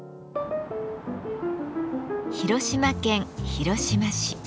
広島県広島市。